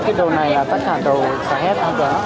cái đồ này là tất cả đồ sẽ hết